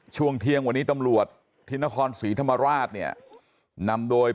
ช่วงเที่ยงวันนี้ตำรวจที่นครศรีธรรมราชเนี่ยนำโดย